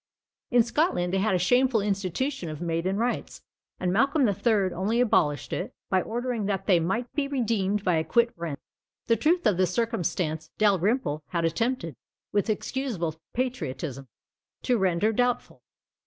In Scotland they had a shameful institution of maiden rights; and Malcolm the Third only abolished it, by ordering that they might be redeemed by a quit rent. The truth of this circumstance Dalrymple has attempted, with excusable patriotism, to render doubtful.